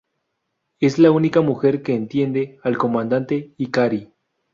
Es la única mujer que entiende al comandante Ikari.